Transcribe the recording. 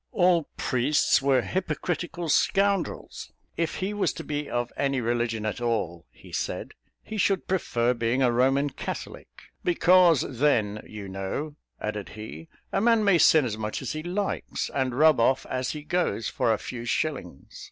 All priests were hypocritical scoundrels. If he was to be of any religion at all, he said, he should prefer being a Roman Catholic, "because, then, you know," added he, "a man may sin as much as he likes, and rub off as he goes, for a few shillings.